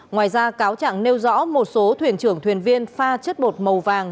ngoài ra cáo chẳng nêu rõ một số thuyền trưởng thuyền viên pha chất bột màu vàng